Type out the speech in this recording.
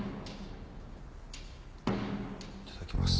いただきます。